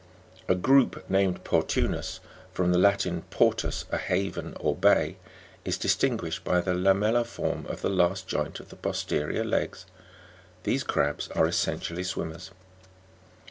A group, named Portunus (from the Latin, portus, a haven or hay), is distinguished by the lamellar form of the last joint of the posterior legs" ; these crabs are essentially swimmers.